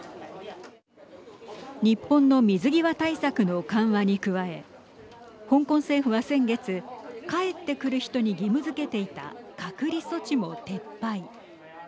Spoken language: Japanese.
日本の水際対策の緩和に加え香港政府は先月帰ってくる人に義務づけていた隔離措置も撤廃。